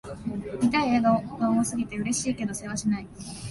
見たい映画が多すぎて、嬉しいけどせわしない